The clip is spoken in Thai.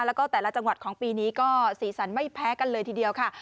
แล้วก็แต่ละจังหวัดของปีนี้ก็สีสันไม่แพ้กันเลยทีเดียวค่ะ